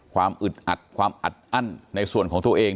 อึดอัดความอัดอั้นในส่วนของตัวเอง